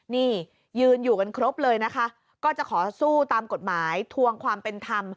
นี่ยืนอยู่กันครบเลยนะคะก็จะขอสู้ตามกฎหมายทวงความเป็นธรรม